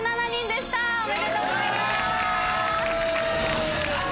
おめでとうございます！